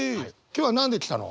今日は何で来たの？